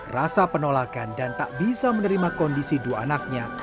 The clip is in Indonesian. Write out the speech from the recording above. rasa penolakan dan tak bisa menerima kondisi dua anaknya